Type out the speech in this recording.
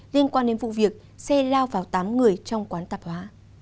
liên quan đến vụ việc xe lao vào tám người trong quán tạp hóa